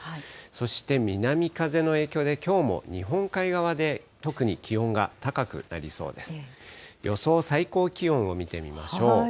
そして、南風の影響で、きょうも日本海側で、特に気温が高くなりそうです。